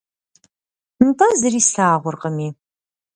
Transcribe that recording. НтӀэ зыри слъагъуркъыми!